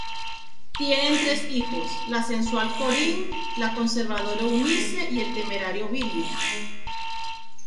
Tienen tres hijos: la sensual Corinne, la conservadora Eunice y el temerario Billy.